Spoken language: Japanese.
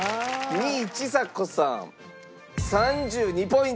２位ちさ子さん３２ポイント。